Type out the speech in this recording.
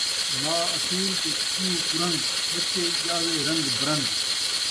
ماء اصیل تے پیو کُرن٘گ ، ٻچے ڄاوے رن٘گ برن٘گ